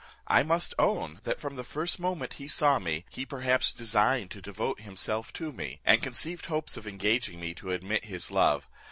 I must own, that, from the first moment he saw me, he perhaps designed to devote himself to me, and conceived hopes of engaging me to admit his love.